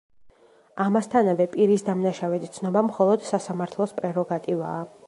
ამასთანავე, პირის დამნაშავედ ცნობა მხოლოდ, სასამართლოს პრეროგატივაა.